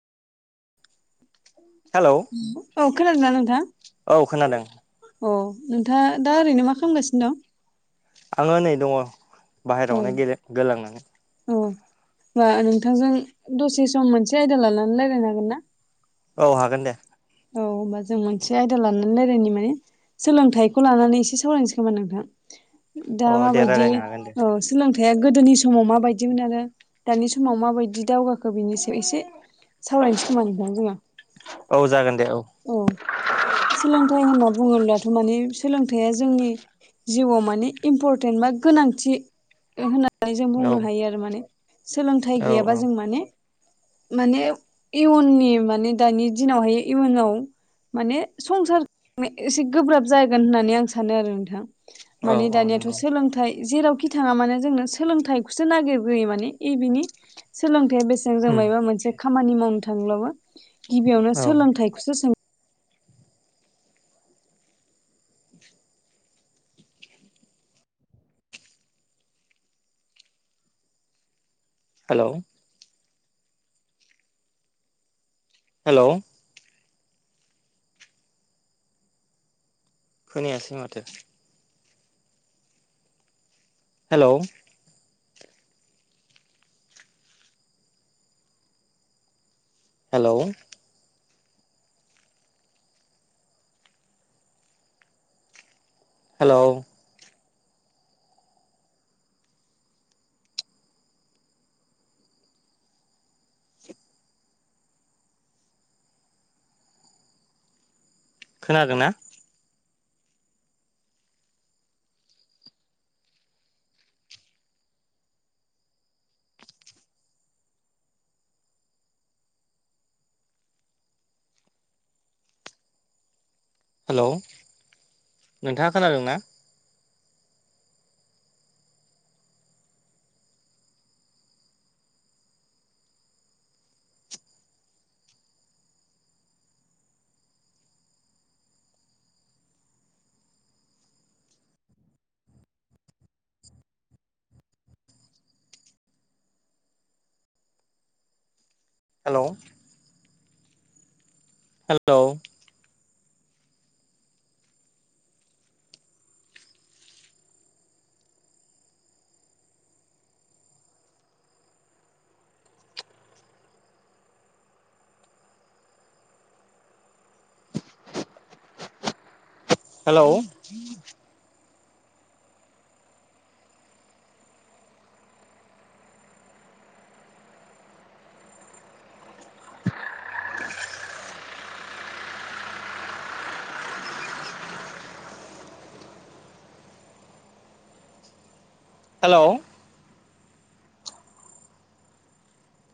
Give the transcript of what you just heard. हेल'। अ खोनादों ना नोंथा? औ खोनादों। अ नोंथाङा दा ओरैनो मा खालामगासिनो दं? आंङो नै दङ बाहेरायावनो गेले- गोलांनानै। अ होमबा नोंथांजों दसे सम मोनसे आयदा लानानै रायज्लायनो हागोन ना? औ हागोन दे। औ होमबा जों मोनसे आयदा लानानै रायलायनायनि माने सोलोंथाइखौ लानानै एसे सावरायनोसै खोमा नोंथां। औ दा दे माबायदि रायलायनो हागोन दे औ सोलोंथाया गोदोनि समाव माबायदिमोन आरो दानि समाव माबायदि दावगाखो बेनि सायाव एसे सावरायनोसै खोमा नोंथां जोंङो। औ जागोन दे औ। औ सोलोंथाइ होनना बुङोब्लाथ' माने सोलोंथाइया जोंनि जिउआव मानिे इम्परटेन्ट बा गोनांथि होन नानै जों औ बुंनो हायो आरो माने सोलोंथाइ औ गैयाबा जों माने माने इयुननि माने दानि दिनावहाय इयुनाव माने संसार एसे गोब्राब जागोन होननानै आं सानो आरो नोंथां। औ औ माने औ दानियाथ' नंगौ सोलोंथाइ जेरावखि बिथाङा माने जोंनो सोलोंथाइखौसो नागिरग्रोयो माने इबिनि सोलोंथाया बेसे जों उम माइबा मोनसे खामानि मावनो थांब्लाबो गिबियावनो औ सोलोंथायखौसो सों हेलौ। हेल'। खोनायासै माथो। हेलौ। हेल'। हेल'। [unintelligible] खोनादों ना? हेलौ नोंथाङा खोनादोंना? हेल'। हेल'। हेल'। हेल'।